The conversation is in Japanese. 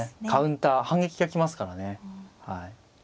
カウンター反撃が来ますからね。